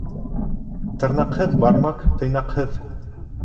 Тырнаҡһыҙ бармак тыйнаҡһыҙ.